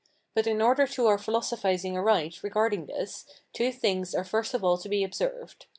But in order to our philosophizing aright regarding this, two things are first of all to be observed.